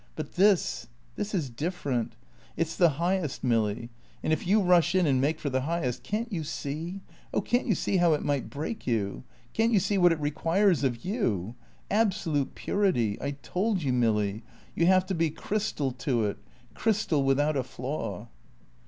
But this this is different. It's the highest, Milly; and if you rush in and make for the highest, can't you see, oh, can't you see how it might break you? Can't you see what it requires of you? Absolute purity. I told you, Milly. You have to be crystal to it crystal without a flaw."